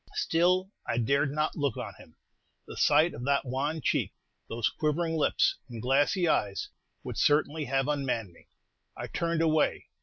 Still, I dared not look on him. The sight of that wan cheek, those quivering lips and glassy eyes, would certainly have unmanned me. I turned away.